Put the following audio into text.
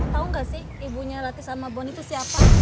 tau gak sih ibunya latih sama bon itu siapa